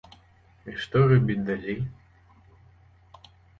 І што рабіць далей?